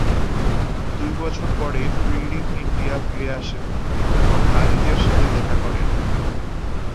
দুই বছর পরে ফিল্ডিং ইন্ডিয়া ফিরে আসেন এবং আজিজের সাথে দেখা করেন।